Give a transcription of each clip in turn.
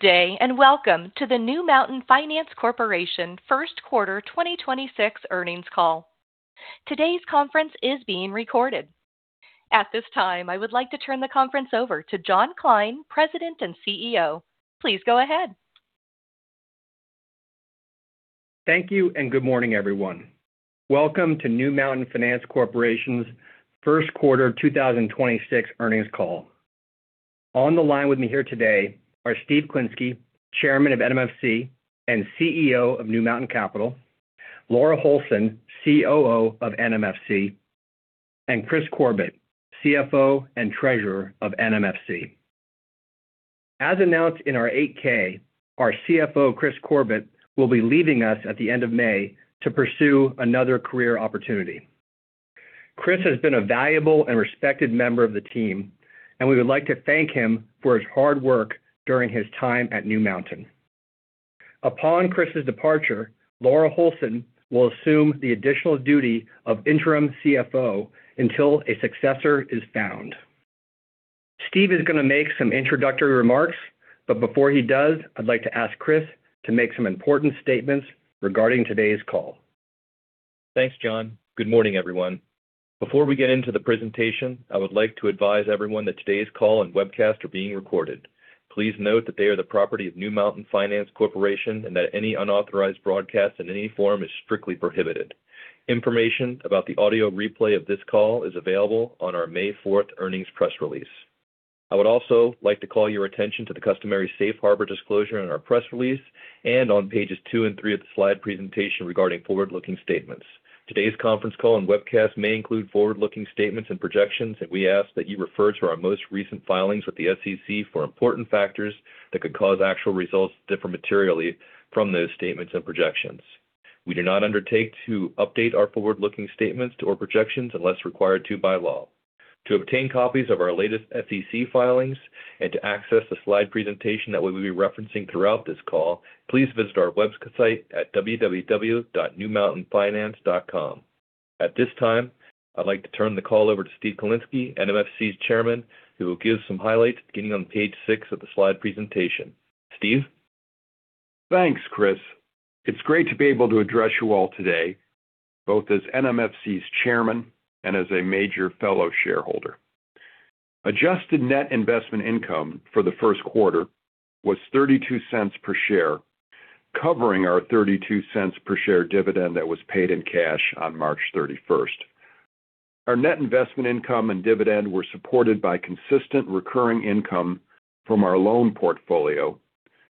Good day, and welcome to the New Mountain Finance Corporation first quarter 2026 earnings call. Today's conference is being recorded. At this time, I would like to turn the conference over to John Kline, President and CEO. Please go ahead. Thank you. Good morning, everyone. Welcome to New Mountain Finance Corporation's first quarter 2026 earnings call. On the line with me here today are Steve Klinsky, Chairman of NMFC and CEO of New Mountain Capital; Laura Holson, COO of NMFC; and Kris Corbett, CFO and Treasurer of NMFC. As announced in our 8-K, our CFO, Kris Corbett, will be leaving us at the end of May to pursue another career opportunity. Kris has been a valuable and respected member of the team, and we would like to thank him for his hard work during his time at New Mountain. Upon Kris's departure, Laura Holson will assume the additional duty of interim CFO until a successor is found. Steve is going to make some introductory remarks, but before he does, I'd like to ask Kris to make some important statements regarding today's call. Thanks, John. Good morning, everyone. Before we get into the presentation, I would like to advise everyone that today's call and webcast are being recorded. Please note that they are the property of New Mountain Finance Corporation and that any unauthorized broadcast in any form is strictly prohibited. Information about the audio replay of this call is available on our May 4th earnings press release. I would also like to call your attention to the customary safe harbor disclosure in our press release and on pages two and three of the slide presentation regarding forward-looking statements, and we ask that you refer to our most recent filings with the SEC for important factors that could cause actual results to differ materially from those statements and projections. We do not undertake to update our forward-looking statements or projections unless required to by law. To obtain copies of our latest SEC filings and to access the slide presentation that we will be referencing throughout this call, please visit our website at www.newmountainfinance.com. At this time, I'd like to turn the call over to Steve Klinsky, NMFC's Chairman, who will give some highlights beginning on page six of the slide presentation. Steve? Thanks, Kris. It's great to be able to address you all today, both as NMFC's Chairman and as a major fellow shareholder. Adjusted net investment income for the first quarter was $0.32 per share, covering our $0.32 per share dividend that was paid in cash on March 31st. Our net investment income and dividend were supported by consistent recurring income from our loan portfolio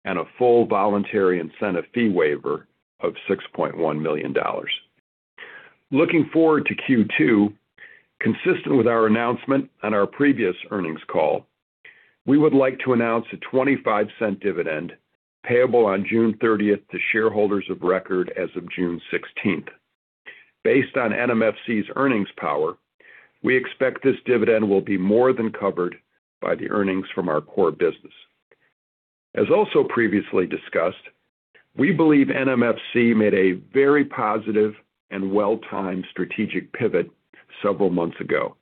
and a full voluntary incentive fee waiver of $6.1 million. Looking forward to Q2, consistent with our announcement on our previous earnings call, we would like to announce a $0.25 dividend payable on June 30th to shareholders of record as of June 16th. Based on NMFC's earnings power, we expect this dividend will be more than covered by the earnings from our core business. As also previously discussed, we believe NMFC made a very positive and well-timed strategic pivot several months ago.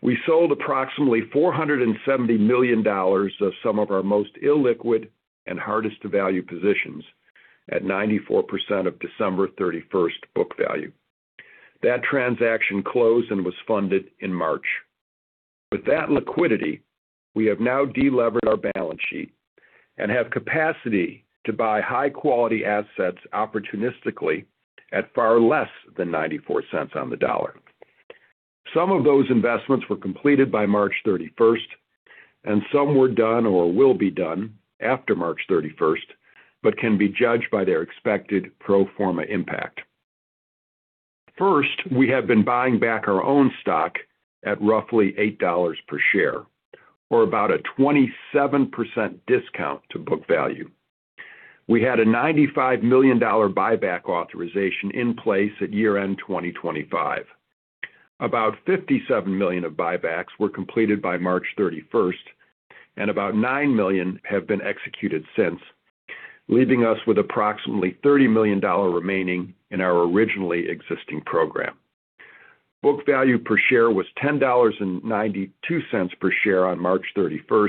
We sold approximately $470 million of some of our most illiquid and hardest to value positions at 94% of December 31st book value. That transaction closed and was funded in March. With that liquidity, we have now delevered our balance sheet and have capacity to buy high-quality assets opportunistically at far less than $0.94 on the dollar. Some of those investments were completed by March 31st, and some were done or will be done after March 31st, but can be judged by their expected pro forma impact. First, we have been buying back our own stock at roughly $8 per share or about a 27% discount to book value. We had a $95 million buyback authorization in place at year-end 2025. About 57 million of buybacks were completed by March 31st and about 9 million have been executed since, leaving us with approximately $30 million remaining in our originally existing program. Book value per share was $10.92 per share on March 31st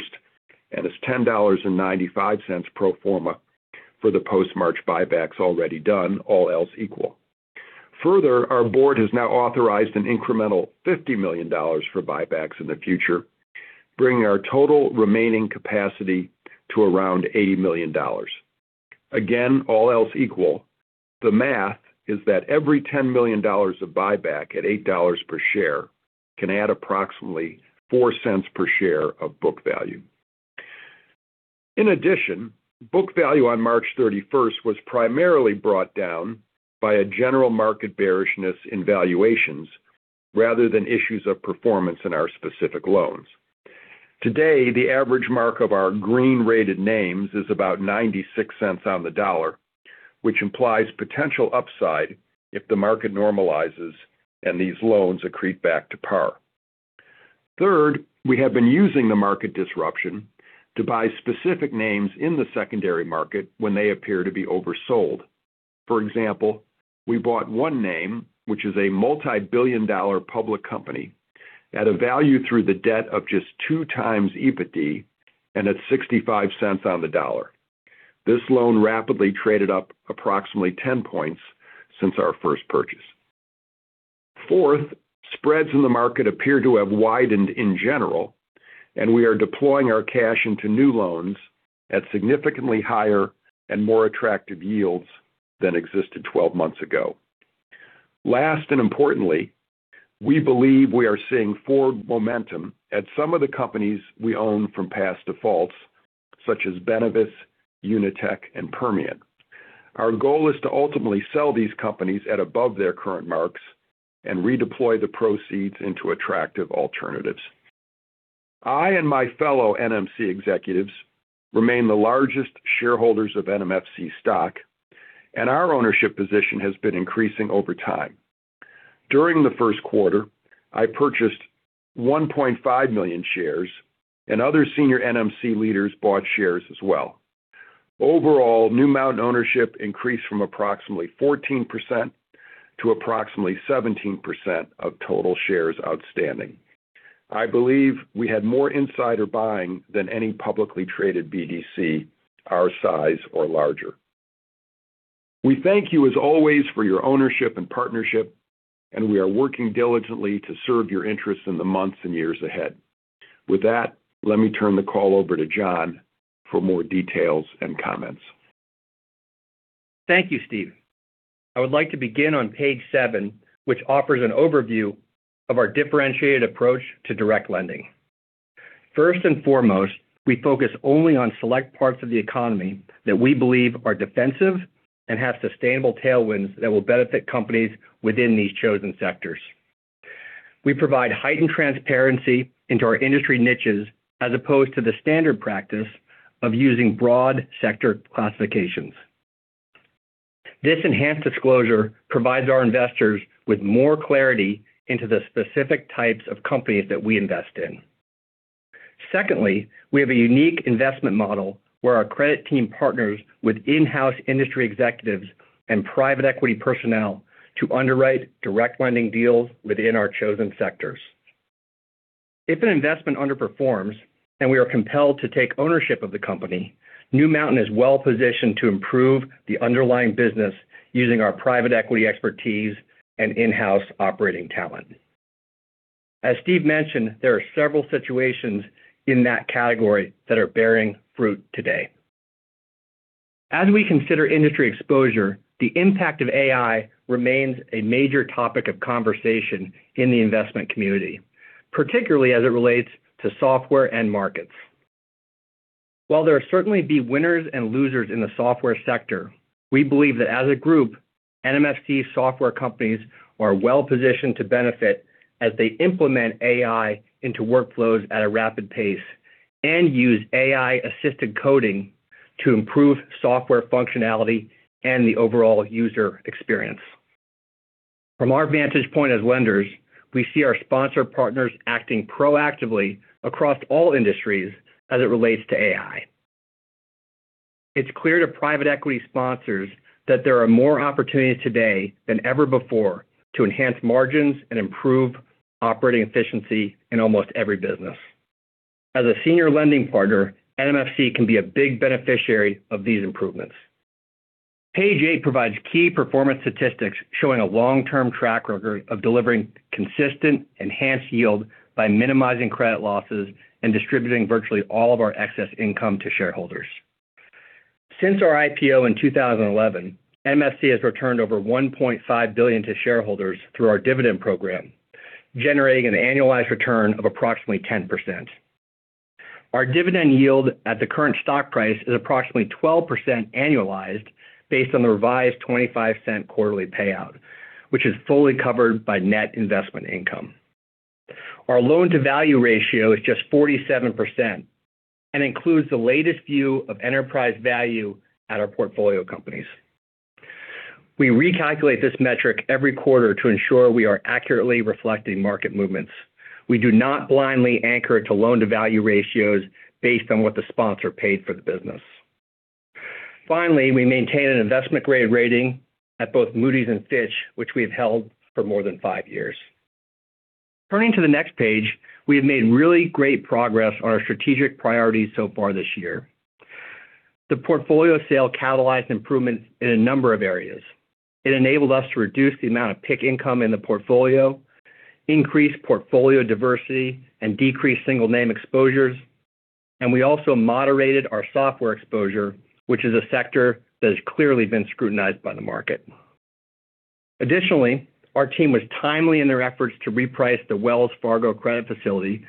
and is $10.95 pro forma for the post-March buybacks already done, all else equal. Further, our board has now authorized an incremental $50 million for buybacks in the future, bringing our total remaining capacity to around $8 million. Again, all else equal, the math is that every $10 million of buyback at $8 per share can add approximately $0.04 per share of book value. In addition, book value on March 31st was primarily brought down by a general market bearishness in valuations rather than issues of performance in our specific loans. Today, the average mark of our green-rated names is about $0.96 on the dollar, which implies potential upside if the market normalizes and these loans accrete back to par. Third, we have been using the market disruption to buy specific names in the secondary market when they appear to be oversold. For example, we bought one name, which is a multi-billion dollar public company, at a value through the debt of just 2x EBITDA and at $0.65 on the dollar. This loan rapidly traded up approximately 10 points since our first purchase. Fourth, spreads in the market appear to have widened in general, and we are deploying our cash into new loans at significantly higher and more attractive yields than existed 12 months ago. Last and importantly, we believe we are seeing forward momentum at some of the companies we own from past defaults, such as Benevis, UniTek, and Permian. Our goal is to ultimately sell these companies at above their current marks and redeploy the proceeds into attractive alternatives. I and my fellow NMC executives remain the largest shareholders of NMFC stock, and our ownership position has been increasing over time. During the first quarter, I purchased 1.5 million shares, and other senior NMC leaders bought shares as well. Overall, New Mountain ownership increased from approximately 14% to approximately 17% of total shares outstanding. I believe we had more insider buying than any publicly traded BDC our size or larger. We thank you as always for your ownership and partnership, and we are working diligently to serve your interests in the months and years ahead. With that, let me turn the call over to John for more details and comments. Thank you, Steve. I would like to begin on page seven, which offers an overview of our differentiated approach to direct lending. First and foremost, we focus only on select parts of the economy that we believe are defensive and have sustainable tailwinds that will benefit companies within these chosen sectors. We provide heightened transparency into our industry niches as opposed to the standard practice of using broad sector classifications. This enhanced disclosure provides our investors with more clarity into the specific types of companies that we invest in. Secondly, we have a unique investment model where our credit team partners with in-house industry executives and private equity personnel to underwrite direct lending deals within our chosen sectors. If an investment underperforms and we are compelled to take ownership of the company, New Mountain is well-positioned to improve the underlying business using our private equity expertise and in-house operating talent. As Steve mentioned, there are several situations in that category that are bearing fruit today. As we consider industry exposure, the impact of AI remains a major topic of conversation in the investment community, particularly as it relates to software and markets. While there will certainly be winners and losers in the software sector, we believe that as a group, NMFC software companies are well-positioned to benefit as they implement AI into workflows at a rapid pace and use AI-assisted coding to improve software functionality and the overall user experience. From our vantage point as lenders, we see our sponsor partners acting proactively across all industries as it relates to AI. It's clear to private equity sponsors that there are more opportunities today than ever before to enhance margins and improve operating efficiency in almost every business. As a senior lending partner, NMFC can be a big beneficiary of these improvements. Page eight provides key performance statistics showing a long-term track record of delivering consistent, enhanced yield by minimizing credit losses and distributing virtually all of our excess income to shareholders. Since our IPO in 2011, NMFC has returned over $1.5 billion to shareholders through our dividend program, generating an annualized return of approximately 10%. Our dividend yield at the current stock price is approximately 12% annualized based on the revised $0.25 quarterly payout, which is fully covered by net investment income. Our loan-to-value ratio is just 47% and includes the latest view of enterprise value at our portfolio companies. We recalculate this metric every quarter to ensure we are accurately reflecting market movements. We do not blindly anchor it to loan-to-value ratios based on what the sponsor paid for the business. Finally, we maintain an investment-grade rating at both Moody's and Fitch, which we have held for more than five years. Turning to the next page, we have made really great progress on our strategic priorities so far this year. The portfolio sale catalyzed improvements in a number of areas. It enabled us to reduce the amount of PIK income in the portfolio, increase portfolio diversity, and decrease single-name exposures. We also moderated our software exposure, which is a sector that has clearly been scrutinized by the market. Additionally, our team was timely in their efforts to reprice the Wells Fargo credit facility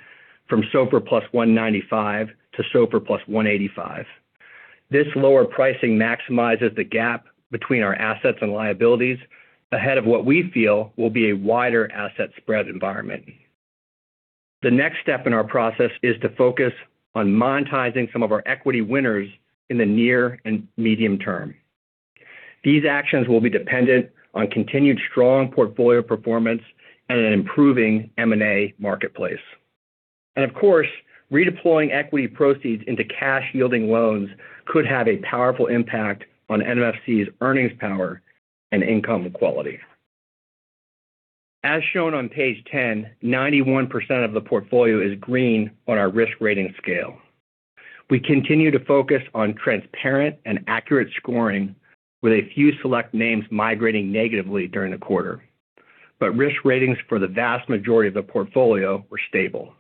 from SOFR plus 195 basis points to SOFR plus 185 basis points. This lower pricing maximizes the gap between our assets and liabilities ahead of what we feel will be a wider asset spread environment. The next step in our process is to focus on monetizing some of our equity winners in the near and medium term. These actions will be dependent on continued strong portfolio performance and an improving M&A marketplace. Of course, redeploying equity proceeds into cash-yielding loans could have a powerful impact on NMFC's earnings power and income quality. As shown on page 10, 91% of the portfolio is green on our risk rating scale. We continue to focus on transparent and accurate scoring with a few select names migrating negatively during the quarter. Risk ratings for the vast majority of the portfolio were stable.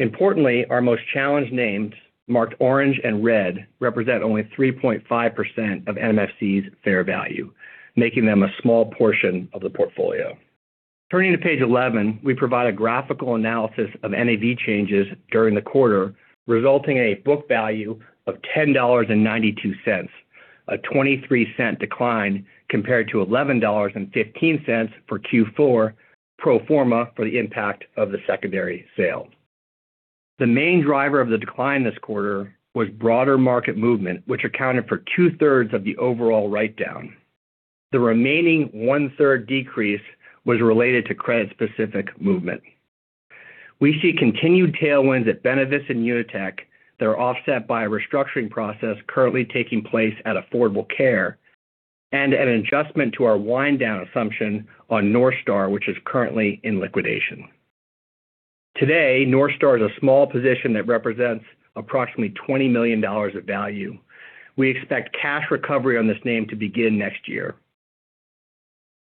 Importantly, our most challenged names, marked orange and red, represent only 3.5% of NMFC's fair value, making them a small portion of the portfolio. Turning to page 11, we provide a graphical analysis of NAV changes during the quarter, resulting in a book value of $10.92, a $0.23 decline compared to $11.15 for Q4 pro forma for the impact of the secondary sale. The main driver of the decline this quarter was broader market movement, which accounted for 2/3 of the overall write-down. The remaining 1/3 decrease was related to credit-specific movement. We see continued tailwinds at Benevis and UniTek that are offset by a restructuring process currently taking place at Affordable Care and an adjustment to our wind down assumption on Northstar, which is currently in liquidation. Today, Northstar is a small position that represents approximately $20 million of value. We expect cash recovery on this name to begin next year.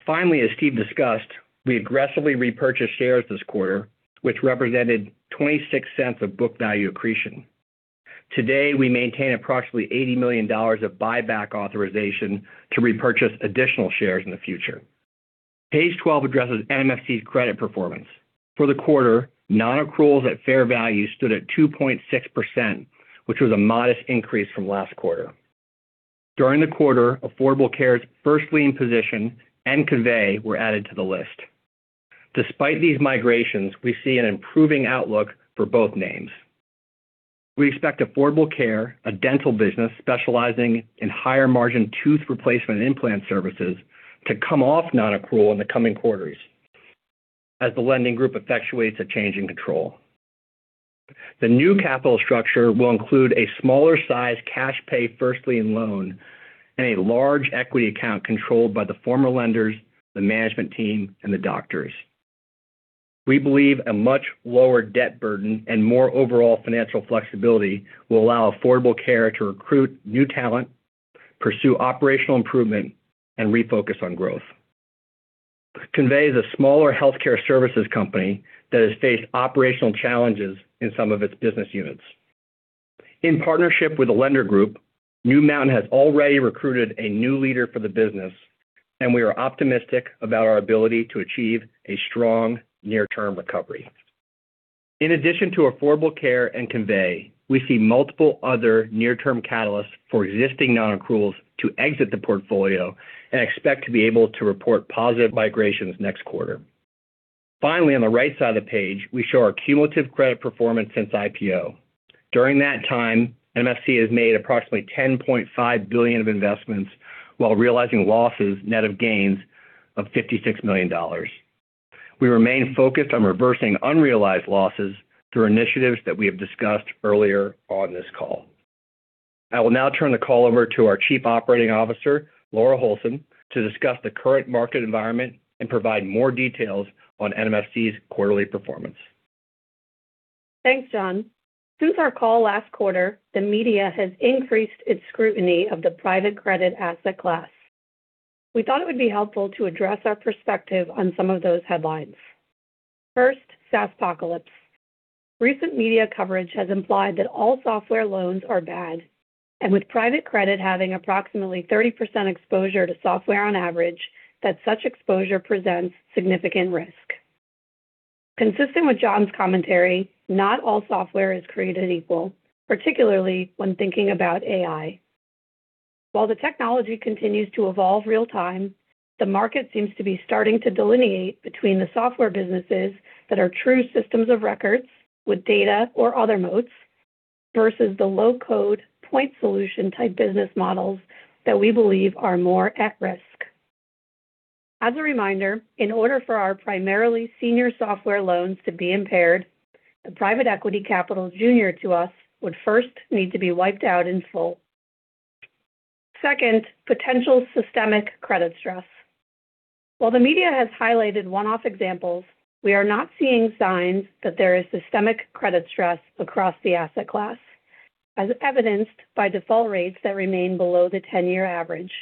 As Steve discussed, we aggressively repurchased shares this quarter, which represented $0.26 of book value accretion. Today, we maintain approximately $80 million of buyback authorization to repurchase additional shares in the future. Page 12 addresses NMFC's credit performance. For the quarter, non-accruals at fair value stood at 2.6%, which was a modest increase from last quarter. During the quarter, Affordable Care's first lien position and Convey were added to the list. Despite these migrations, we see an improving outlook for both names. We expect Affordable Care, a dental business specializing in higher margin tooth replacement and implant services, to come off non-accrual in the coming quarters as the lending group effectuates a change in control. The new capital structure will include a smaller size cash pay first lien loan and a large equity account controlled by the former lenders, the management team, and the doctors. We believe a much lower debt burden and more overall financial flexibility will allow Affordable Care to recruit new talent, pursue operational improvement, and refocus on growth. Convey is a smaller healthcare services company that has faced operational challenges in some of its business units. In partnership with the lender group, New Mountain has already recruited a new leader for the business, and we are optimistic about our ability to achieve a strong near-term recovery. In addition to Affordable Care and Convey, we see multiple other near-term catalysts for existing non-accruals to exit the portfolio and expect to be able to report positive migrations next quarter. Finally, on the right side of the page, we show our cumulative credit performance since IPO. During that time, NMFC has made approximately $10.5 billion of investments while realizing losses net of gains of $56 million. We remain focused on reversing unrealized losses through initiatives that we have discussed earlier on this call. I will now turn the call over to our Chief Operating Officer, Laura Holson, to discuss the current market environment and provide more details on NMFC's quarterly performance. Thanks, John. Since our call last quarter, the media has increased its scrutiny of the private credit asset class. We thought it would be helpful to address our perspective on some of those headlines. First, SaaSpocalypse. Recent media coverage has implied that all software loans are bad, and with private credit having approximately 30% exposure to software on average, that such exposure presents significant risk. Consistent with John's commentary, not all software is created equal, particularly when thinking about AI. While the technology continues to evolve real time, the market seems to be starting to delineate between the software businesses that are true systems of records with data or other moats versus the low-code point solution type business models that we believe are more at risk. As a reminder, in order for our primarily senior software loans to be impaired, the private equity capital junior to us would first need to be wiped out in full. Second, potential systemic credit stress. While the media has highlighted one-off examples, we are not seeing signs that there is systemic credit stress across the asset class, as evidenced by default rates that remain below the 10-year average.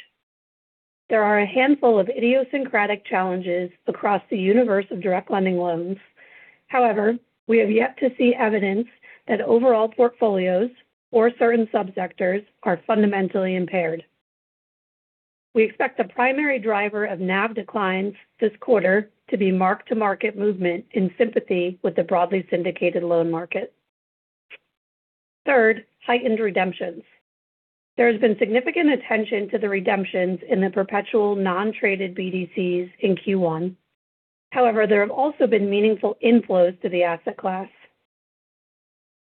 There are a handful of idiosyncratic challenges across the universe of direct lending loans. However, we have yet to see evidence that overall portfolios or certain subsectors are fundamentally impaired. We expect the primary driver of NAV declines this quarter to be mark-to-market movement in sympathy with the broadly syndicated loan market. Third, heightened redemptions. There has been significant attention to the redemptions in the perpetual non-traded BDCs in Q1. However, there have also been meaningful inflows to the asset class.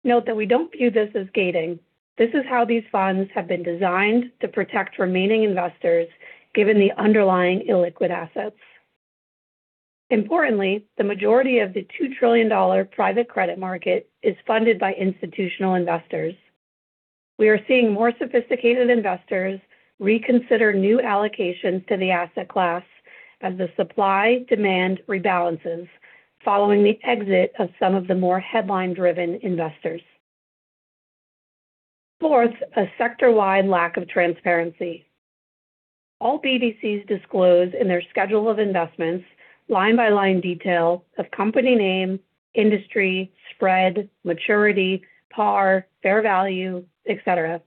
Note that we don't view this as gating. This is how these funds have been designed to protect remaining investors given the underlying illiquid assets. Importantly, the majority of the $2 trillion private credit market is funded by institutional investors. We are seeing more sophisticated investors reconsider new allocations to the asset class as the supply-demand rebalances following the exit of some of the more headline-driven investors. Fourth, a sector-wide lack of transparency. All BDCs disclose in their schedule of investments line-by-line detail of company name, industry, spread, maturity, par, fair value, et cetera.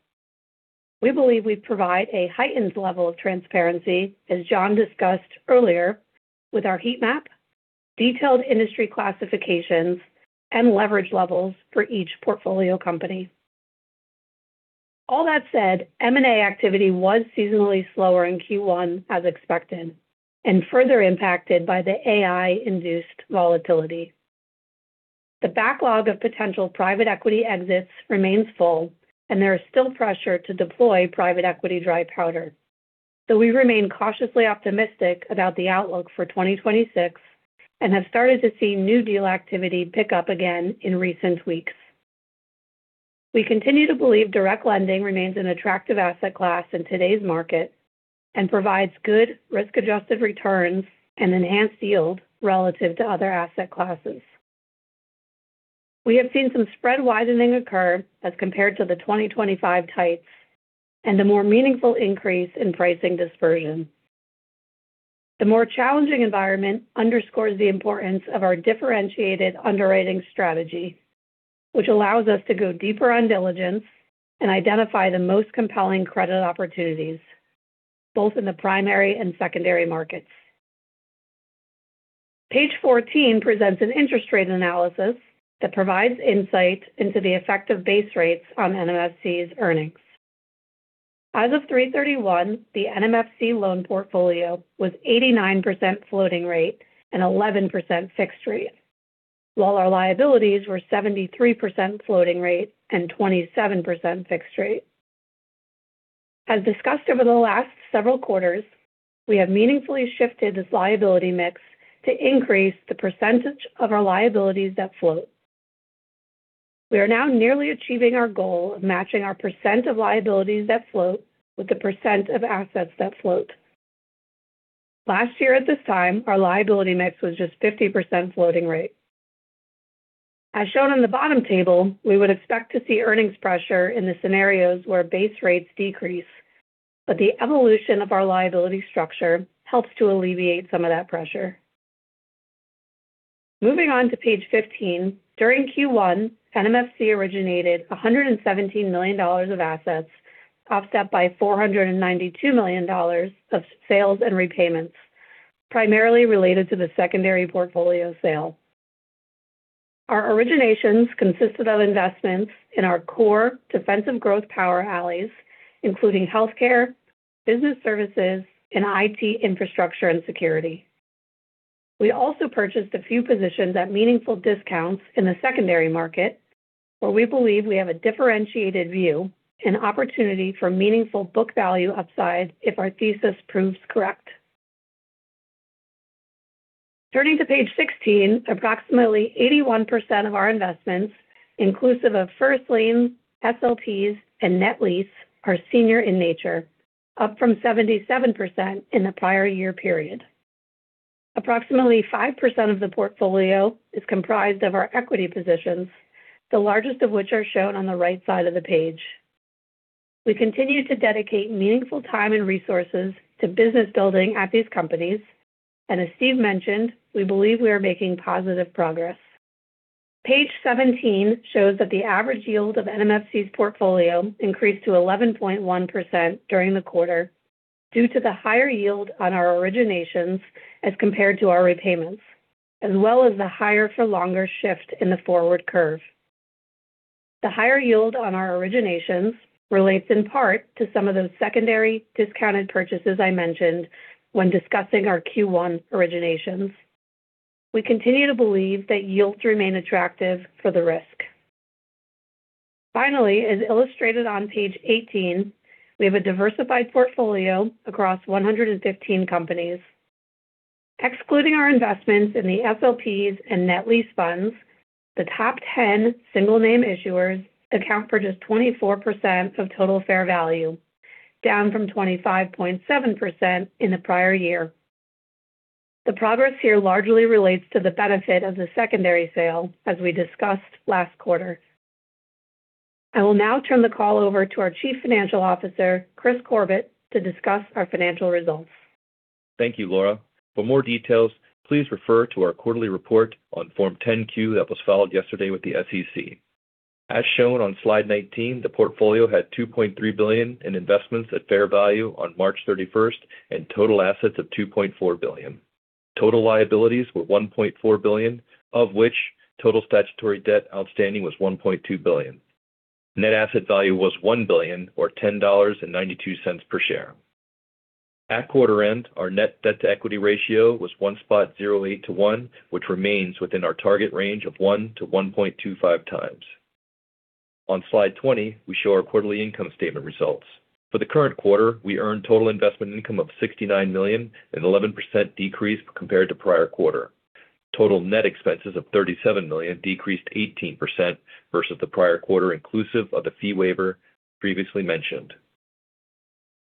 We believe we provide a heightened level of transparency, as John discussed earlier, with our heat map, detailed industry classifications, and leverage levels for each portfolio company. All that said, M&A activity was seasonally slower in Q1 as expected and further impacted by the AI-induced volatility. The backlog of potential private equity exits remains full, and there is still pressure to deploy private equity dry powder. We remain cautiously optimistic about the outlook for 2026 and have started to see new deal activity pick up again in recent weeks. We continue to believe direct lending remains an attractive asset class in today's market and provides good risk-adjusted returns and enhanced yield relative to other asset classes. We have seen some spread widening occur as compared to the 2025 types and a more meaningful increase in pricing dispersion. The more challenging environment underscores the importance of our differentiated underwriting strategy, which allows us to go deeper on diligence and identify the most compelling credit opportunities both in the primary and secondary markets. Page 14 presents an interest rate analysis that provides insight into the effect of base rates on NMFC's earnings. As of 3/31, the NMFC loan portfolio was 89% floating rate and 11% fixed rate, while our liabilities were 73% floating rate and 27% fixed rate. As discussed over the last several quarters, we have meaningfully shifted this liability mix to increase the percentage of our liabilities that float. We are now nearly achieving our goal of matching our percent of liabilities that float with the percent of assets that float. Last year at this time, our liability mix was just 50% floating rate. As shown on the bottom table, we would expect to see earnings pressure in the scenarios where base rates decrease, but the evolution of our liability structure helps to alleviate some of that pressure. Moving on to page 15, during Q1, NMFC originated $117 million of assets, offset by $492 million of sales and repayments, primarily related to the secondary portfolio sale. Our originations consisted of investments in our core defensive growth power alleys, including healthcare, business services, and IT infrastructure and security. We also purchased a few positions at meaningful discounts in the secondary market, where we believe we have a differentiated view and opportunity for meaningful book value upside if our thesis proves correct. Turning to page 16, approximately 81% of our investments, inclusive of first liens, SLPs, and net lease, are senior in nature, up from 77% in the prior year period. Approximately 5% of the portfolio is comprised of our equity positions, the largest of which are shown on the right side of the page. We continue to dedicate meaningful time and resources to business building at these companies. As Steve mentioned, we believe we are making positive progress. Page 17 shows that the average yield of NMFC's portfolio increased to 11.1% during the quarter due to the higher yield on our originations as compared to our repayments, as well as the higher for longer shift in the forward curve. The higher yield on our originations relates in part to some of those secondary discounted purchases I mentioned when discussing our Q1 originations. We continue to believe that yields remain attractive for the risk. As illustrated on page 18, we have a diversified portfolio across 115 companies. Excluding our investments in the SLPs and net lease funds, the top 10 single name issuers account for just 24% of total fair value, down from 25.7% in the prior year. The progress here largely relates to the benefit of the secondary sale as we discussed last quarter. I will now turn the call over to our Chief Financial Officer, Kris Corbett, to discuss our financial results. Thank you, Laura. For more details, please refer to our quarterly report on form 10-Q that was filed yesterday with the SEC. As shown on slide 19, the portfolio had $2.3 billion in investments at fair value on March 31st and total assets of $2.4 billion. Total liabilities were $1.4 billion, of which total statutory debt outstanding was $1.2 billion. Net asset value was $1 billion or $10.92 per share. At quarter end, our net debt-to-equity ratio was 1.08x-1x, which remains within our target range of 1x-1.25x. On slide 20, we show our quarterly income statement results. For the current quarter, we earned total investment income of $69 million, an 11% decrease compared to prior quarter. Total net expenses of $37 million decreased 18% versus the prior quarter inclusive of the fee waiver previously mentioned.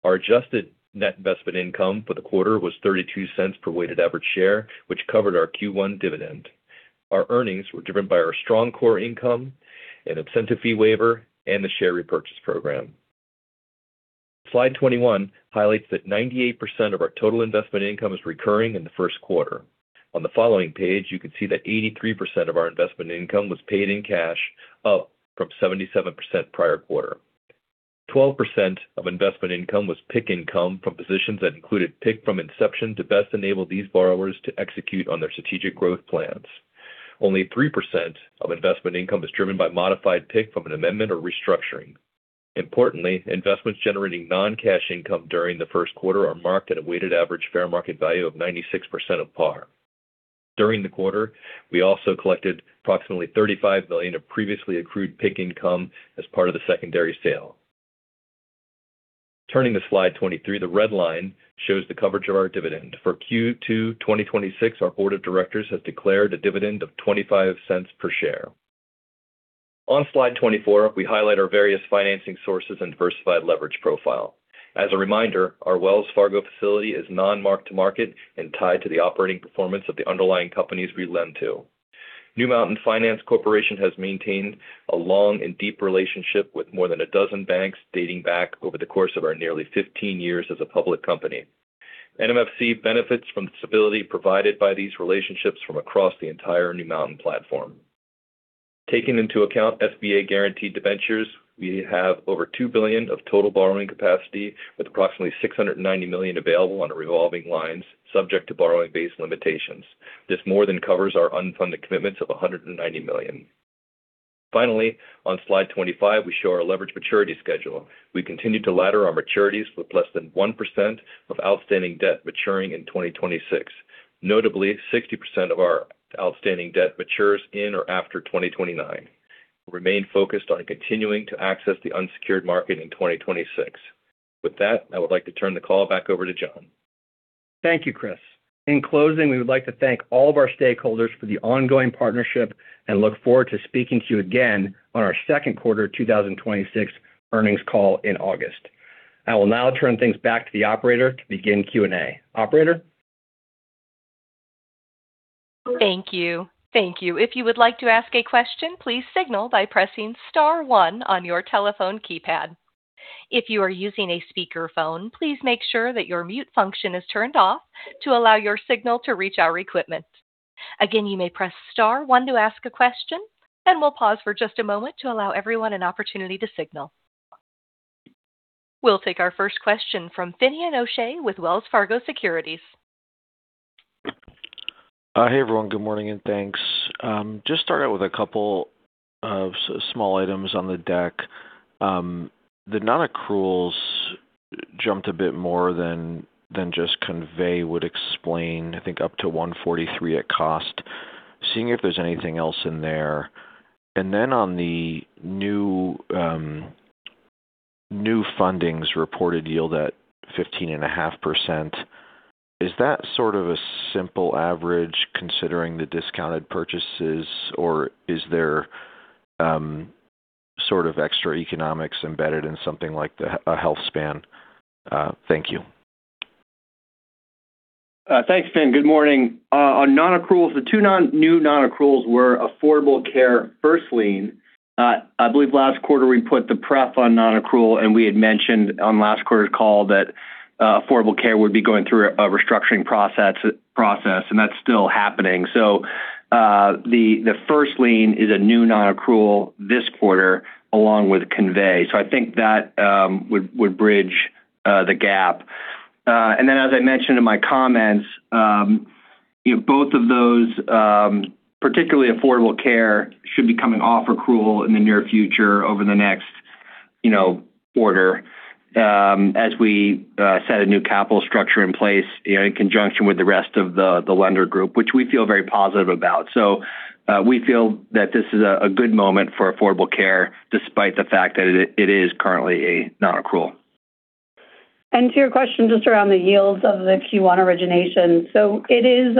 Our adjusted net investment income for the quarter was $0.32 per weighted average share, which covered our Q1 dividend. Our earnings were driven by our strong core income and incentive fee waiver and the share repurchase program. Slide 21 highlights that 98% of our total investment income is recurring in the first quarter. On the following page, you can see that 83% of our investment income was paid in cash, up from 77% prior quarter. 12% of investment income was PIK income from positions that included PIK from inception to best enable these borrowers to execute on their strategic growth plans. Only 3% of investment income is driven by modified PIK from an amendment or restructuring. Importantly, investments generating non-cash income during the first quarter are marked at a weighted average fair market value of 96% of par. During the quarter, we also collected approximately $35 million of previously accrued PIK income as part of the secondary sale. Turning to slide 23, the red line shows the coverage of our dividend. For Q2 2026, our board of directors has declared a dividend of $0.25 per share. On slide 24, we highlight our various financing sources and diversified leverage profile. As a reminder, our Wells Fargo facility is non-mark-to-market and tied to the operating performance of the underlying companies we lend to. New Mountain Finance Corporation has maintained a long and deep relationship with more than a dozen banks dating back over the course of our nearly 15 years as a public company. NMFC benefits from the stability provided by these relationships from across the entire New Mountain platform. Taking into account SBA guaranteed debentures, we have over $2 billion of total borrowing capacity with approximately $690 million available on our revolving lines subject to borrowing base limitations. This more than covers our unfunded commitments of $190 million. Finally, on slide 25, we show our leverage maturity schedule. We continue to ladder our maturities with less than 1% of outstanding debt maturing in 2026. Notably, 60% of our outstanding debt matures in or after 2029. We remain focused on continuing to access the unsecured market in 2026. With that, I would like to turn the call back over to John. Thank you, Kris. In closing, we would like to thank all of our stakeholders for the ongoing partnership and look forward to speaking to you again on our second quarter 2026 earnings call in August. I will now turn things back to the operator to begin Q&A. Operator? Thank you. Thank you. If you would like to ask a question, please signal by pressing star one on your telephone keypad. If you are using a speakerphone, please make sure that your mute function is turned off to allow your signal to reach our equipment. Again, you may press star one to ask a question, and we'll pause for just a moment to allow everyone an opportunity to signal. We'll take our first question from Finian O'Shea with Wells Fargo Securities. Hey everyone. Good morning, and thanks. Just start out with a couple of small items on the deck. The non-accruals jumped a bit more than just Convey would explain, I think up to $143 at cost. Seeing if there's anything else in there. On the new fundings reported yield at 15.5%, is that sort of a simple average considering the discounted purchases or is there sort of extra economics embedded in something like Healthspan? Thank you. Thanks, Fin. Good morning. On non-accruals, the new non-accruals were Affordable Care first lien. I believe last quarter we put the pref on non-accrual, and we had mentioned on last quarter's call that Affordable Care would be going through a restructuring process, and that's still happening. The first lien is a new non-accrual this quarter along with Convey. I think that would bridge the gap. And then as I mentioned in my comments, you know, both of those, particularly Affordable Care should be coming off accrual in the near future over the next, you know, quarter, as we set a new capital structure in place, you know, in conjunction with the rest of the lender group, which we feel very positive about. We feel that this is a good moment for Affordable Care despite the fact that it is currently a non-accrual. To your question just around the yields of the Q1 origination. It is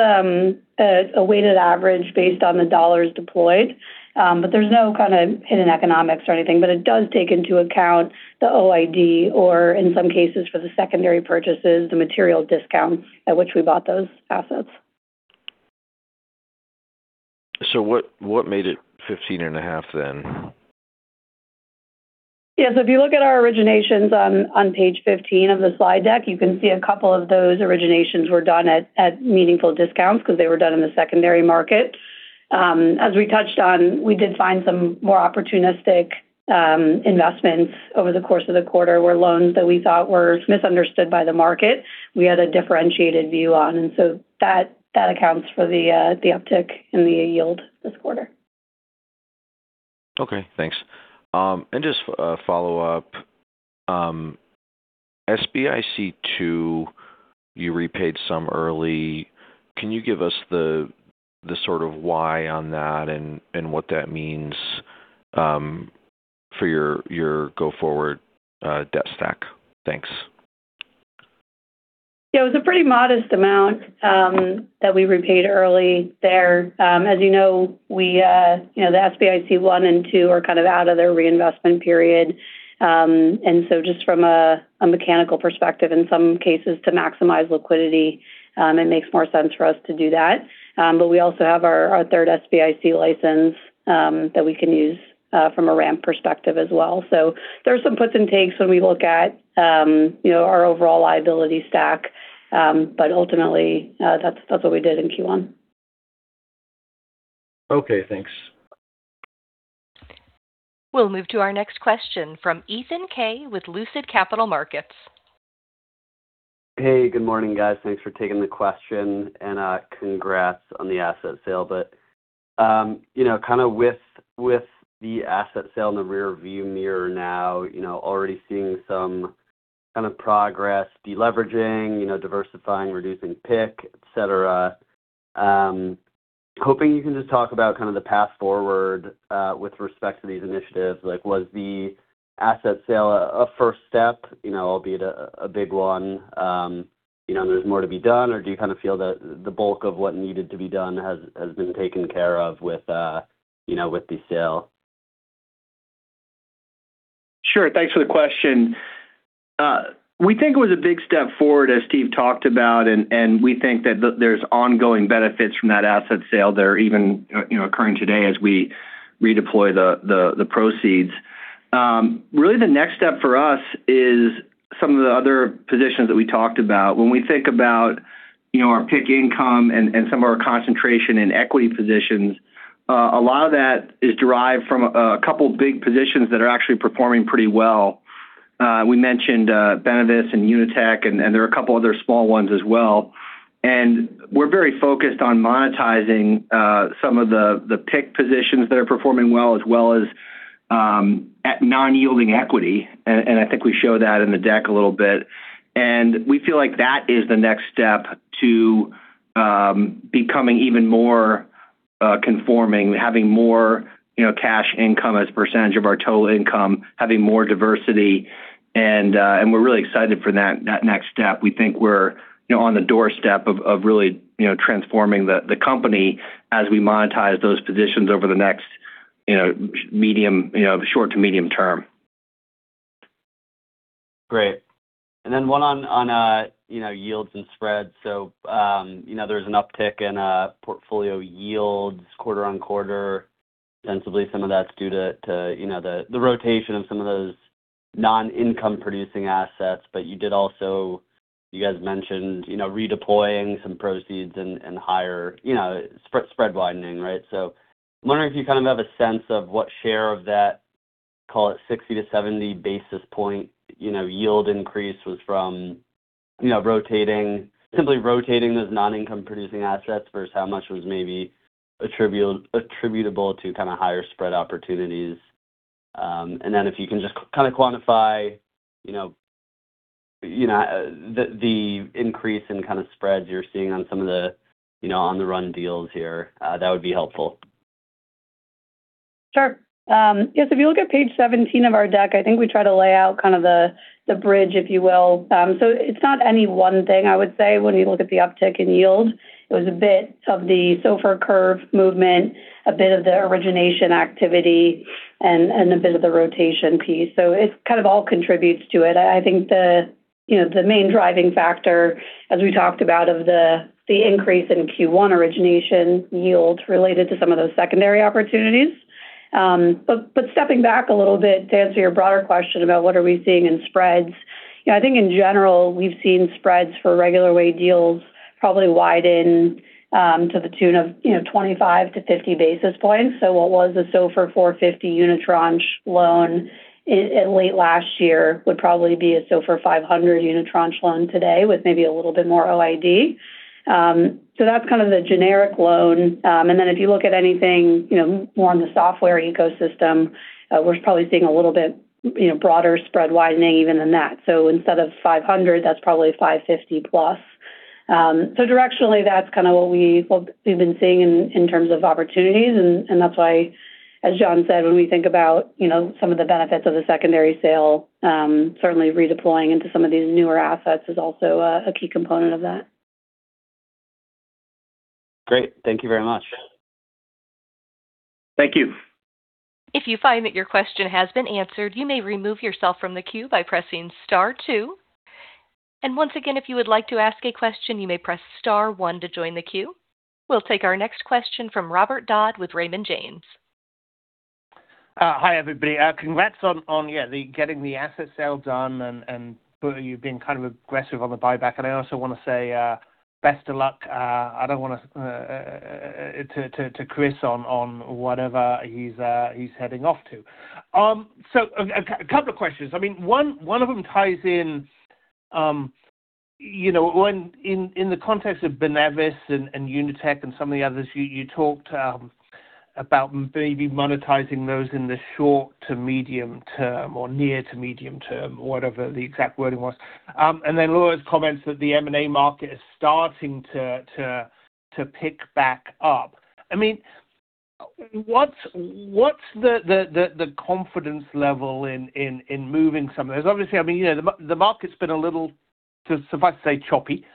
a weighted average based on the dollars deployed. There's no kind of hidden economics or anything. It does take into account the OID or in some cases for the secondary purchases, the material discounts at which we bought those assets. What made it 15.5% then? Yeah. If you look at our originations on page 15 of the slide deck, you can see a couple of those originations were done at meaningful discounts because they were done in the secondary market. As we touched on, we did find some more opportunistic investments over the course of the quarter were loans that we thought were misunderstood by the market we had a differentiated view on. That accounts for the uptick in the yield this quarter. Okay, thanks. Just follow up. SBIC II, you repaid some early. Can you give us the sort of why on that and what that means for your go-forward debt stack? Thanks. Yeah. It was a pretty modest amount, that we repaid early there. As you know we, you know, the SBIC I and II are kind of out of their reinvestment period. Just from a mechanical perspective in some cases to maximize liquidity, it makes more sense for us to do that. We also have our third SBIC license, that we can use, from a ramp perspective as well. There are some puts and takes when we look at, you know, our overall liability stack. Ultimately, that's what we did in Q1. Okay, thanks. We'll move to our next question from Ethan Kaye with Lucid Capital Markets. Hey, good morning, guys. Thanks for taking the question. Congrats on the asset sale. Kind of with the asset sale in the rear view mirror now, already seeing some kind of progress de-leveraging, diversifying, reducing PIK, et cetera. Hoping you can just talk about kind of the path forward with respect to these initiatives. Like, was the asset sale a first step, albeit a big one? There's more to be done or do you kind of feel that the bulk of what needed to be done has been taken care of with the sale? Sure. Thanks for the question. We think it was a big step forward as Steve talked about and we think that there's ongoing benefits from that asset sale that are even, you know, occurring today as we redeploy the proceeds. Really the next step for us is some of the other positions that we talked about. When we think about, you know, our PIK income and some of our concentration in equity positions, a lot of that is derived from a couple big positions that are actually performing pretty well. We mentioned Benevis and UniTek and there are a couple other small ones as well. We're very focused on monetizing some of the PIK positions that are performing well, as well as at non-yielding equity. I think we show that in the deck a little bit. We feel like that is the next step to becoming even more conforming, having more, you know, cash income as a percentage of our total income, having more diversity, and we're really excited for that next step. We think we're, you know, on the doorstep of really, you know, transforming the company as we monetize those positions over the next, you know, medium, you know, short to medium term. Great. Then one on, you know, yields and spreads. You know, there was an uptick in portfolio yields quarter-on-quarter. Sensibly some of that's due to, you know, the rotation of some of those non-income producing assets. You guys mentioned, you know, redeploying some proceeds and higher, you know, spread widening, right? I'm wondering if you kind of have a sense of what share of that, call it 60 basis points-70 basis point, you know, yield increase was from, you know, rotating, simply rotating those non-income producing assets versus how much was maybe attributable to kind of higher spread opportunities? If you can just kind of quantify, you know, the increase in spreads you're seeing on some of the, you know, on the run deals here, that would be helpful. Sure. Yes, if you look at page 17 of our deck, I think we try to lay out kind of the bridge, if you will. It's not any one thing I would say when you look at the uptick in yield. It was a bit of the SOFR curve movement, a bit of the origination activity and a bit of the rotation piece. It kind of all contributes to it. I think the, you know, the main driving factor as we talked about of the increase in Q1 origination yields related to some of those secondary opportunities. Stepping back a little bit to answer your broader question about what are we seeing in spreads. You know, I think in general we've seen spreads for regular weigh deals probably widen, to the tune of, you know, 25 basis points-50 basis points. What was a SOFR plus 450 basis points unitranche loan in late last year would probably be a SOFR plus 500 basis points unitranche loan today with maybe a little bit more OID. That's kind of the generic loan. Then if you look at anything, you know, more on the software ecosystem, we're probably seeing a little bit, you know, broader spread widening even than that. Instead of SOFR plus 500 basis points, that's probably SOFR plus 550+ basis points. Directionally that's kind of what we've been seeing in terms of opportunities and that's why, as John said, when we think about, you know, some of the benefits of the secondary sale, certainly redeploying into some of these newer assets is also a key component of that. Great. Thank you very much. Thank you. If you find that your question has been answered, you may remove yourself from the queue by pressing star two. Once again, if you would like to ask a question, you may press star one to join the queue. We'll take our next question from Robert Dodd with Raymond James. Hi, everybody. Congrats on, yeah, the getting the asset sale done and for you being kind of aggressive on the buyback. I also wanna say, best of luck, I don't wanna, to Kris on whatever he's heading off to. So a couple of questions. I mean, one of them ties in. You know, when in the context of Benevis and UniTek and some of the others, you talked about maybe monetizing those in the short to medium term or near to medium term, or whatever the exact wording was. Then Laura's comments that the M&A market is starting to pick back up. I mean, what's the confidence level in moving some of those? Obviously, I mean, you know, the market's been a little, suffice to say, choppy.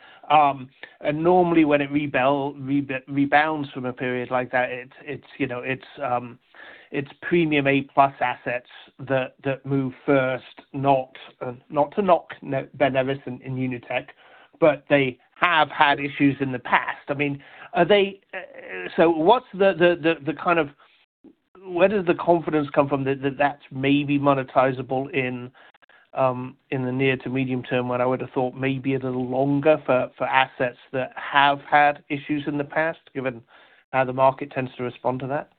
Normally when it rebounds from a period like that, it's, you know, it's premium A-plus assets that move first, not to knock Benevis and UniTek, they have had issues in the past. I mean, what's the kind of Where does the confidence come from that that's maybe monetizable in the near to medium term when I would've thought maybe a little longer for assets that have had issues in the past, given how the market tends to respond to that?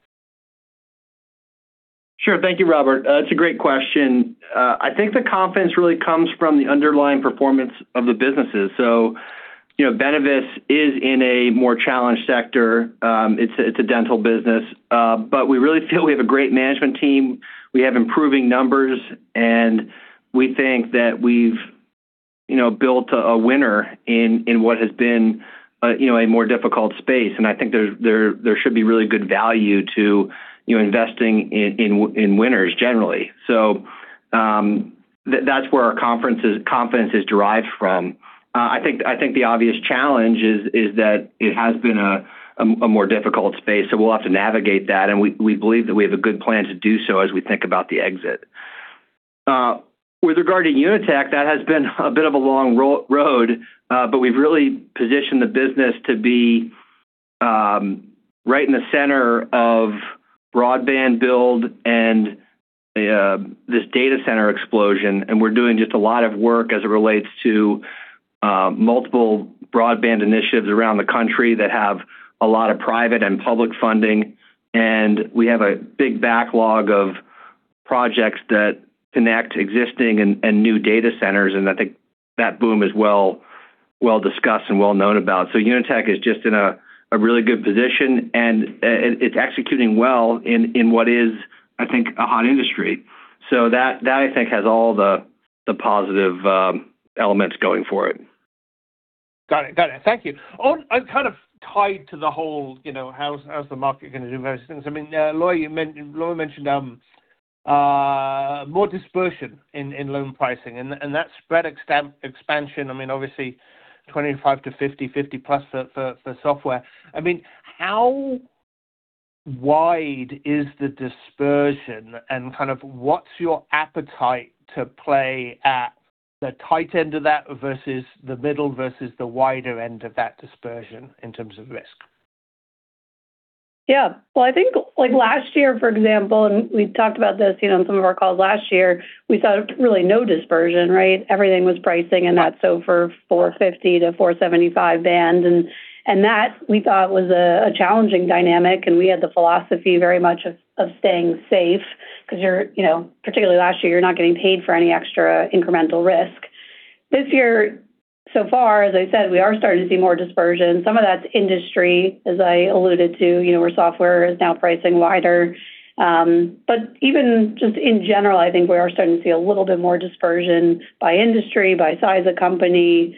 Sure. Thank you, Robert. It's a great question. I think the confidence really comes from the underlying performance of the businesses. You know, Benevis is in a more challenged sector. It's a dental business. We really feel we have a great management team. We have improving numbers, and we think that we've, you know, built a winner in what has been, you know, a more difficult space. I think there should be really good value to, you know, investing in winners generally. That's where our confidence is derived from. I think the obvious challenge is that it has been a more difficult space, so we'll have to navigate that, and we believe that we have a good plan to do so as we think about the exit. With regard to UniTek, that has been a bit of a long road, but we've really positioned the business to be right in the center of broadband build and this data center explosion. We're doing just a lot of work as it relates to multiple broadband initiatives around the country that have a lot of private and public funding. We have a big backlog of projects that connect existing and new data centers, and I think that boom is well-discussed and well-known about. UniTek is just in a really good position and it's executing well in what is, I think, a hot industry. That I think has all the positive elements going for it. Got it. Got it. Thank you. kind of tied to the whole, you know, how's the market gonna do those things, I mean, Laura Holson mentioned more dispersion in loan pricing and that spread expansion, I mean, obviously 25 basis points-50+ basis points for, for software. I mean, how wide is the dispersion and kind of what's your appetite to play at the tight end of that versus the middle versus the wider end of that dispersion in terms of risk? Yeah. Well, I think like last year, for example, and we've talked about this, you know, on some of our calls last year, we saw really no dispersion, right? Everything was pricing in that SOFR 4.50%-4.75% band. That we thought was a challenging dynamic, and we had the philosophy very much of staying safe 'cause you're, you know, particularly last year, you're not getting paid for any extra incremental risk. This year, so far, as I said, we are starting to see more dispersion. Some of that's industry, as I alluded to, you know, where software is now pricing wider. Even just in general, I think we are starting to see a little bit more dispersion by industry, by size of company,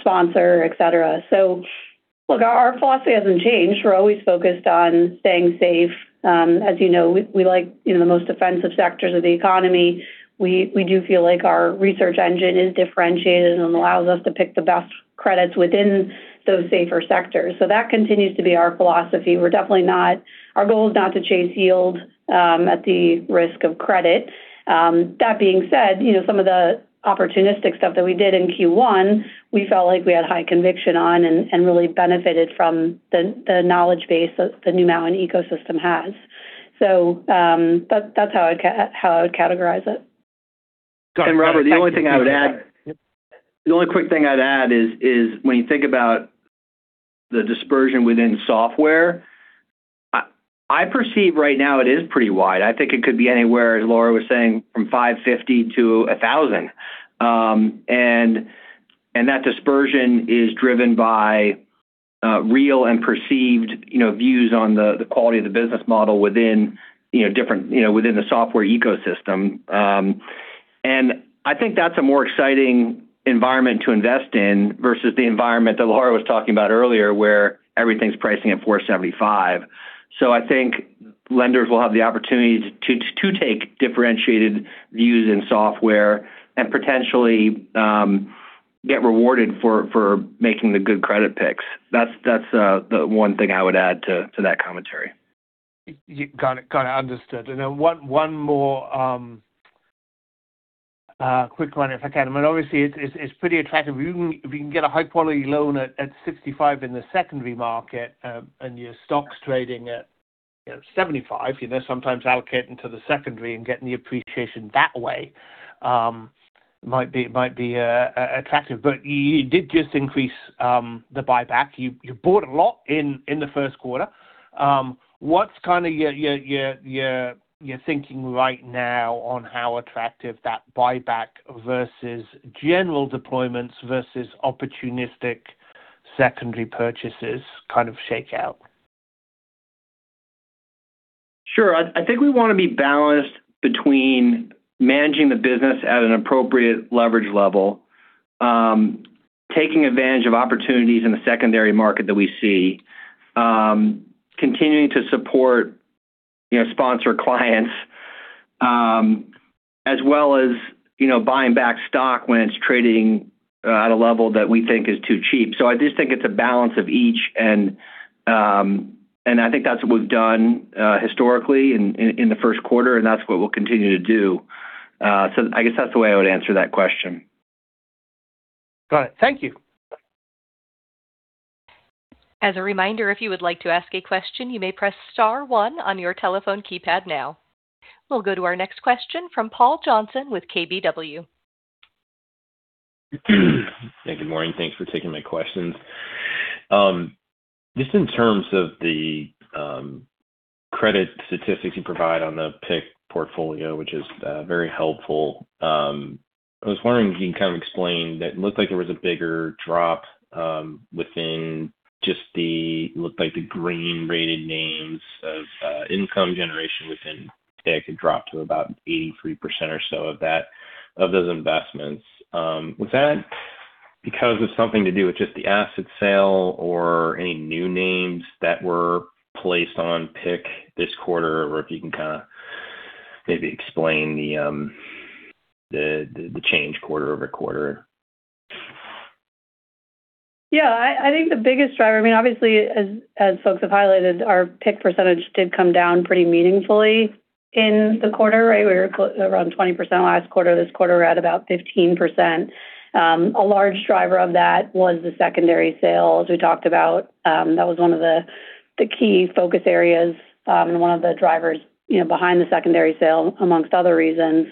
sponsor, et cetera. Look, our philosophy hasn't changed. We're always focused on staying safe. As you know, we like, you know, the most defensive sectors of the economy. We, we do feel like our research engine is differentiated and allows us to pick the best credits within those safer sectors. That continues to be our philosophy. We're definitely not Our goal is not to chase yield at the risk of credit. That being said, you know, some of the opportunistic stuff that we did in Q1, we felt like we had high conviction on and really benefited from the knowledge base that the New Mountain ecosystem has. That, that's how I would categorize it. Got it. Thank you. Robert, the only thing I'd add. Yep. The only quick thing I'd add is when you think about the dispersion within software, I perceive right now it is pretty wide. I think it could be anywhere, as Laura was saying, from SOFR plus 550 basis points to SOFR plus 1,000 basis points. That dispersion is driven by real and perceived, you know, views on the quality of the business model within, you know, different, you know, within the software ecosystem. I think that's a more exciting environment to invest in versus the environment that Laura was talking about earlier, where everything's pricing at SOFR plus 475 basis points. I think lenders will have the opportunity to take differentiated views in software and potentially get rewarded for making the good credit picks. That's the one thing I would add to that commentary. Got it. Got it. Understood. One more quick one if I can. I mean, obviously it's pretty attractive. If you can get a high-quality loan at 65% in the secondary market, and your stock's trading at, you know, 75%, you know, sometimes allocating to the secondary and getting the appreciation that way, might be attractive. You did just increase the buyback. You bought a lot in the first quarter. What's kind of your thinking right now on how attractive that buyback versus general deployments versus opportunistic secondary purchases kind of shake out? Sure. I think we wanna be balanced between managing the business at an appropriate leverage level, taking advantage of opportunities in the secondary market that we see, continuing to support, you know, sponsor clients, as well as, you know, buying back stock when it's trading at a level that we think is too cheap. I just think it's a balance of each and I think that's what we've done historically in the first quarter, and that's what we'll continue to do. I guess that's the way I would answer that question. Got it. Thank you. As a reminder, if you would like to ask a question, you may press star one on your telephone keypad now. We'll go to our next question from Paul Johnson with KBW. Hey, good morning. Thanks for taking my questions. Just in terms of the credit statistics you provide on the PIK portfolio, which is very helpful, I was wondering if you can kind of explain. That looked like there was a bigger drop within just the, looked like the green-rated names of income generation within, say, it could drop to about 83% or so of that, of those investments. Was that because of something to do with just the asset sale or any new names that were placed on PIK this quarter? Or if you can kind of maybe explain the change quarter-over-quarter. Yeah. I think the biggest driver I mean, obviously, as folks have highlighted, our PIK percentage did come down pretty meaningfully in the quarter, right? We were around 20% last quarter. This quarter we're at about 15%. A large driver of that was the secondary sales we talked about. That was one of the key focus areas, and one of the drivers, you know, behind the secondary sale amongst other reasons.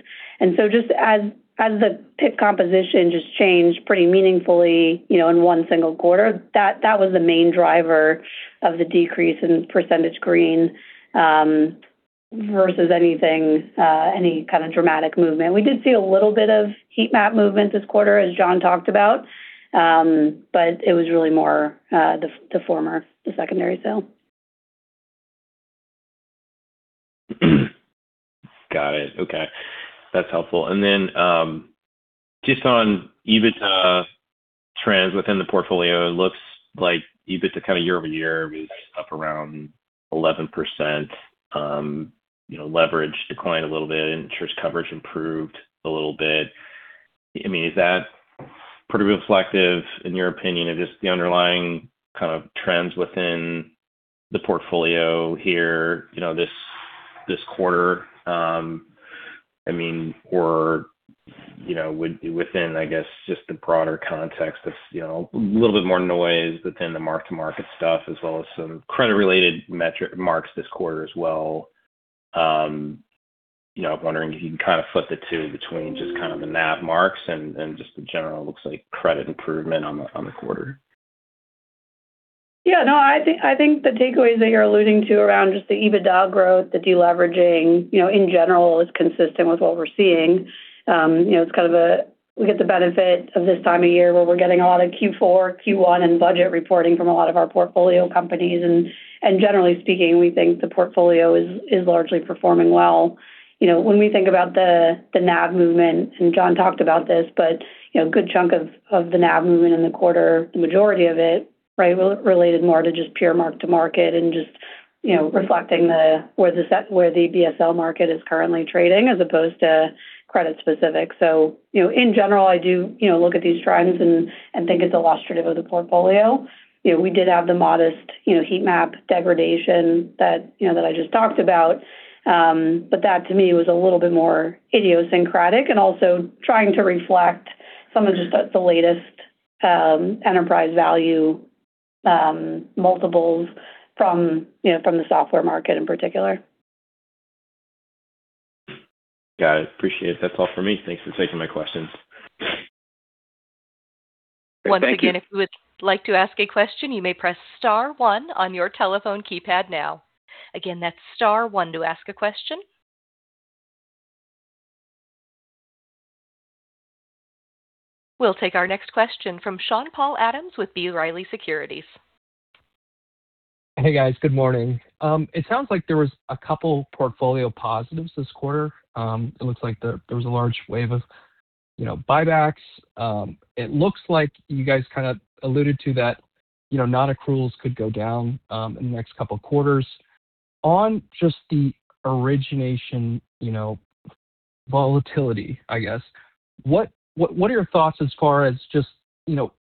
Just as the PIK composition just changed pretty meaningfully, you know, in one single quarter, that was the main driver of the decrease in percentage green, versus anything, any kind of dramatic movement. We did see a little bit of heat map movement this quarter, as John talked about. It was really more the former, the secondary sale. Got it. Okay. That's helpful. Just on EBITDA trends within the portfolio, it looks like EBITDA kind of year-over-year is up around 11%. You know, leverage declined a little bit, interest coverage improved a little bit. I mean, is that pretty reflective, in your opinion, of just the underlying kind of trends within the portfolio here, you know, this quarter? I mean, or, you know, within, I guess, just the broader context of, you know, a little bit more noise within the mark-to-market stuff as well as some credit related metric marks this quarter as well. You know, I'm wondering if you can kind of flip the two between just kind of the NAV marks and just the general looks like credit improvement on the quarter. Yeah. No. I think the takeaways that you're alluding to around just the EBITDA growth, the deleveraging, you know, in general is consistent with what we're seeing. You know, we get the benefit of this time of year where we're getting a lot of Q4, Q1, and budget reporting from a lot of our portfolio companies. Generally speaking, we think the portfolio is largely performing well. You know, when we think about the NAV movement, John talked about this, you know, a good chunk of the NAV movement in the quarter, the majority of it, right, related more to just pure mark to market and just, you know, reflecting where the BSL market is currently trading as opposed to credit specific. You know, in general I do, you know, look at these trends and think it's illustrative of the portfolio. You know, we did have the modest, you know, heat map degradation that, you know, that I just talked about. That to me was a little bit more idiosyncratic and also trying to reflect some of just the latest enterprise value multiples from, you know, from the software market in particular. Got it. Appreciate it. That is all for me. Thanks for taking my questions. Thank you. Once again, if you would like to ask a question, you may press star one on your telephone keypad now. Again, that's star one to ask a question. We'll take our next question from Sean-Paul Adams with B. Riley Securities. Hey, guys. Good morning. It sounds like there was a couple portfolio positives this quarter. It looks like there was a large wave of, you know, buybacks. It looks like you guys kind of alluded to that, you know, non-accruals could go down in the next couple quarters. On just the origination, you know, volatility, I guess, what are your thoughts as far as just, you know,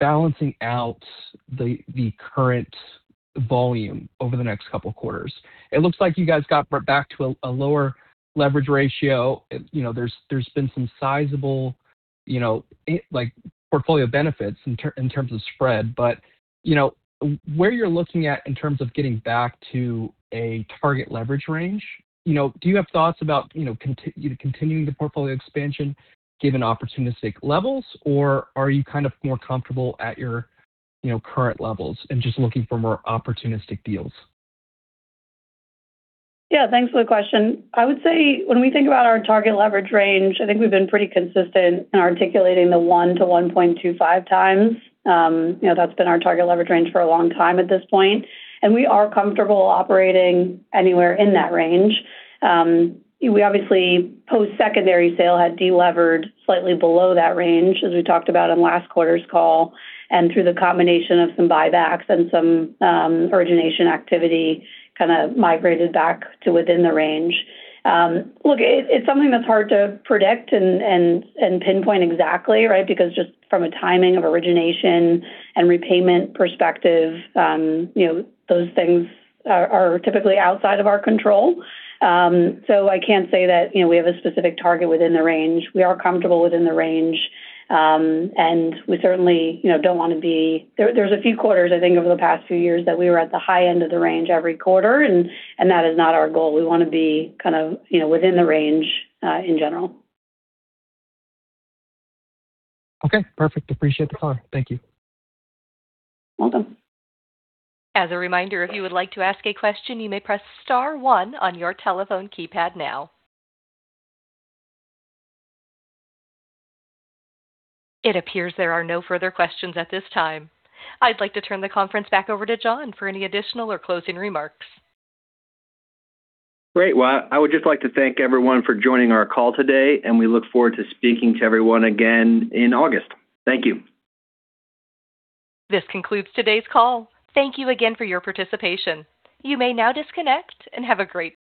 balancing out the current volume over the next couple quarters? It looks like you guys got back to a lower leverage ratio. You know, there's been some sizable, you know, like portfolio benefits in terms of spread. You know, where you're looking at in terms of getting back to a target leverage range, you know, do you have thoughts about, you know, continuing the portfolio expansion given opportunistic levels, or are you kind of more comfortable at your, you know, current levels and just looking for more opportunistic deals? Yeah. Thanks for the question. I would say when we think about our target leverage range, we've been pretty consistent in articulating the 1x-1.25x. You know, that's been our target leverage range for a long time at this point. We are comfortable operating anywhere in that range. We obviously post secondary sale had delevered slightly below that range, as we talked about in last quarter's call. Through the combination of some buybacks and some origination activity kind of migrated back to within the range. Look, it's something that's hard to predict and pinpoint exactly, right? Because just from a timing of origination and repayment perspective, you know, those things are typically outside of our control. I can't say that, you know, we have a specific target within the range. We are comfortable within the range. We certainly, you know, don't wanna be. There's a few quarters, I think, over the past few years that we were at the high end of the range every quarter, and that is not our goal. We wanna be kind of, you know, within the range in general. Okay. Perfect. Appreciate the time. Thank you. Welcome. As a reminder, if you would like to ask a question, you may press star one on your telephone keypad now. It appears there are no further questions at this time. I'd like to turn the conference back over to John for any additional or closing remarks. Great. Well, I would just like to thank everyone for joining our call today, and we look forward to speaking to everyone again in August. Thank you. This concludes today's call. Thank you again for your participation. You may now disconnect and have a great day.